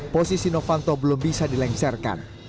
posisi novanto belum bisa dilengsarkan